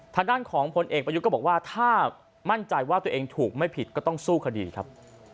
ทางด้านของพลเอกประยุทธ์ก็บอกว่าถ้ามั่นใจว่าตัวเองถูกไม่ผิดก็ต้องสู้คดีครับ